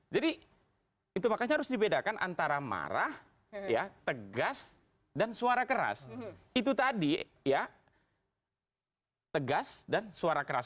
jadi itu makanya harus dibedakan antara marah tegas dan suara keras itu tadi ya tegas dan suara keras